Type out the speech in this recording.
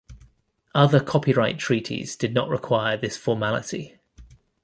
Other copyright treaties did not require this formality.